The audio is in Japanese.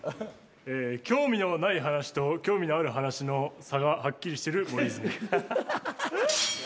え興味のない話と興味のある話の差がはっきりしてる森泉。